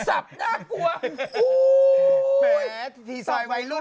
อะไรอะ